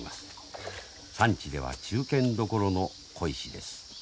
産地では中堅どころの鯉師です。